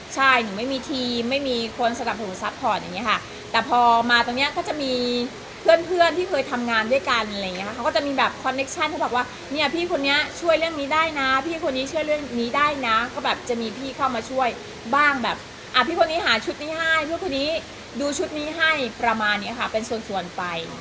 ใช่หนูไม่มีทีมไม่มีคนสนับสนุนซัพพอร์ตอย่างนี้ค่ะแต่พอมาตรงเนี้ยก็จะมีเพื่อนเพื่อนที่เคยทำงานด้วยกันอะไรอย่างเงี้ยเขาก็จะมีแบบคอนเคชั่นที่บอกว่าเนี่ยพี่คนนี้ช่วยเรื่องนี้ได้นะพี่คนนี้เชื่อเรื่องนี้ได้นะก็แบบจะมีพี่เข้ามาช่วยบ้างแบบอ่ะพี่คนนี้หาชุดนี้ให้เพื่อนคนนี้ดูชุดนี้ให้ประมาณเนี้ยค่ะเป็นส่วนไป